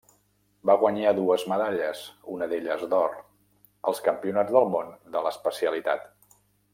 Va guanyar dues medalles, una d'elles d'or, als Campionats del món de l'especialitat.